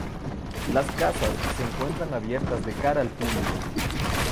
Las casas se encuentran abiertas de cara al público.